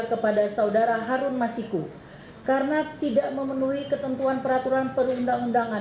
kepada saudara harun masiku karena tidak memenuhi ketentuan peraturan perundang undangan